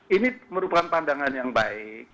ini merupakan pandangan yang baik